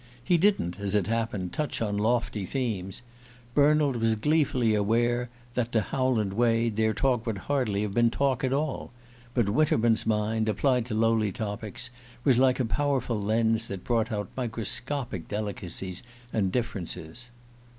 He didn't, as it happened, touch on lofty themes Bernald was gleefully aware that, to Howland Wade, their talk would hardly have been Talk at all but Winterman's mind, applied to lowly topics, was like a powerful lens that brought out microscopic delicacies and differences.